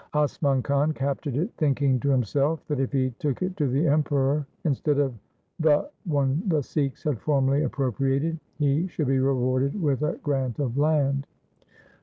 Asman Khan captured it, thinking to him self that if he took it to the Emperor instead of the one the Sikhs had formerly appropriated, he should be rewarded with a grant of land.